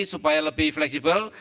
supaya lebih fleksibel